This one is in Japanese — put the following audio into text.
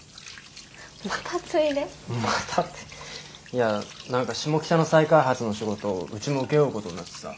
いや何か下北の再開発の仕事うちも請け負うことになってさ。